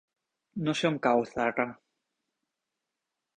No sé on cau Zarra.